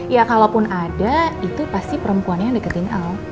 ya kalau pun ada itu pasti perempuan yang deketin al